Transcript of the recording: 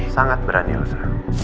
sangat berani elsa